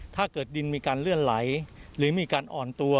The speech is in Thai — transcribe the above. ถ้าเกิดดินมีการเลื่อนไหลหรือมีการอ่อนตัว